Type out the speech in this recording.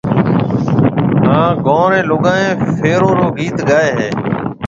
ھان لوگائيَ ڦيرون رو گيت گائيَ ھيََََ